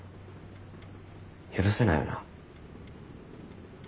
許せないよな。